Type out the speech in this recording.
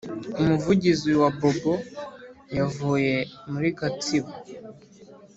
umuvugizi wa bobo yavuye muri gatsibo